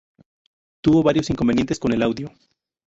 Tuvo varios inconvenientes con el audio.